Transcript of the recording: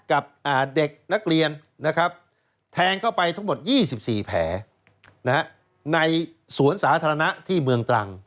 กับเด็กนักเรียนนะครับแทงเข้าไปทั้งหมด๒๔แผลในสวนสาธารณะที่เมืองตรัง